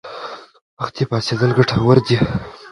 سهار وختي پاڅېدل ګټور دي.